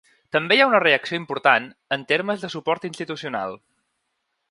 També hi ha una reacció important en termes de suport institucional.